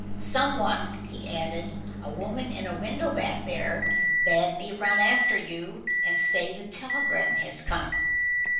"Someone," he added, "a woman in a window back there, bade me run after you and say the telegram has come.